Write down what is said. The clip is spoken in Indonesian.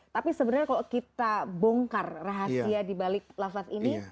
tapi sebenarnya kalau kita bongkar rahasia di balik lafaz ini